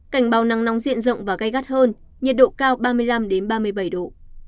cảnh báo nắng nóng diện rộng và gai gắt hơn nhiệt độ cao ba mươi năm ba mươi bảy độ